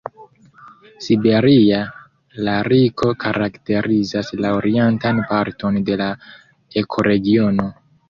Siberia lariko karakterizas la orientan parton de la ekoregiono.